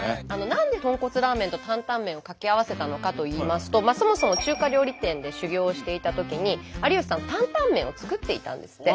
何で豚骨ラーメンとタンタン麺を掛け合わせたのかといいますとそもそも中華料理店で修業をしていたときに有吉さんタンタン麺を作っていたんですって。